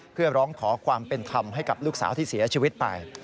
เพื่อร้องขอความเป็นธรรมให้กับลูกสาวที่เสียชีวิตไป